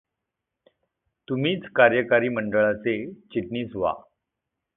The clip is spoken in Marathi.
तुम्हीच कार्यकारी मंडळाचे चिटणीस व्हा.